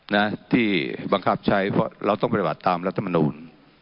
นะที่บางคาบใช้เพราะเราต้องไปรับอาจตามรัฐมนุน